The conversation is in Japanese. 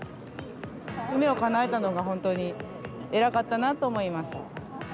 夢をかなえたのが本当に偉かったなと思います。